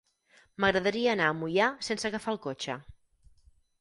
M'agradaria anar a Moià sense agafar el cotxe.